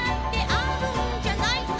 「あるんじゃない」